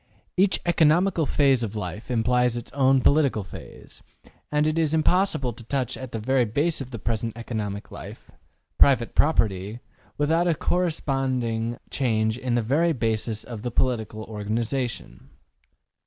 Each economical phase of life implies its own political phase; and it is impossible to touch the very basis of the present economical life private property without a corresponding change in the very basis of the political organization.